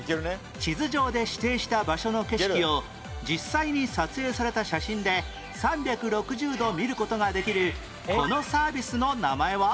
地図上で指定した場所の景色を実際に撮影された写真で３６０度見る事ができるこのサービスの名前は？